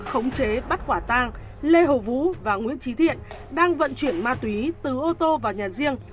khống chế bắt quả tang lê hồ vũ và nguyễn trí thiện đang vận chuyển ma túy từ ô tô vào nhà riêng